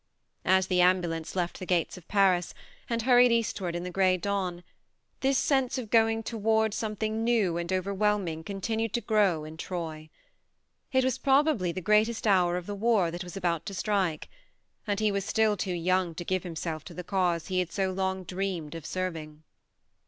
As the ambulance left the gates of Paris, and hurried eastward in the grey dawn, this sense of going toward something new and overwhelming continued to grow in Troy. It was probably the greatest hour of the war that was about to strike and he was still too young to give himself to the THE MARNE 93 cause he had so long dreamed of serving.